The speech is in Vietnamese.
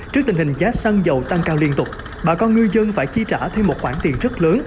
trước tình hình giá xăng dầu tăng cao liên tục bà con ngư dân phải chi trả thêm một khoản tiền rất lớn